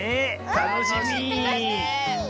たのしみだねえ！